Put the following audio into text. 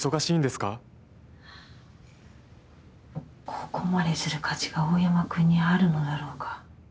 「ここまでする価値が、大山くんにあるのだろうか。